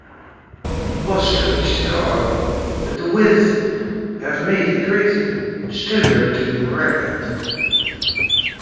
Wastoids they are, but the 'Wiz have made a great Stoner Doom record.